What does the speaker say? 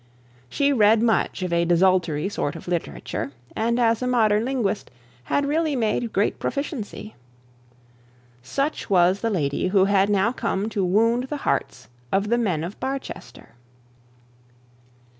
She read much of a desultory sort of literature, and as a modern linguist had really made great proficiency. Such was the lady who had now come to wound the hearts of the men of Barchester.